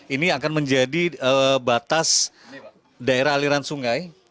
ini akan menjadi batas daerah aliran sungai